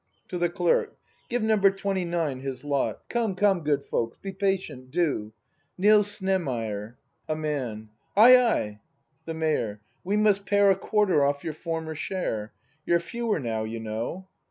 [To the Clerk.] Give Number Twenty nine his lot. Come, come, good folks, be patient, do! Nils Snemyr? A Man. Ay, ay! The Mayor. We must pare A quarter off your former share. You're fewer now, you know.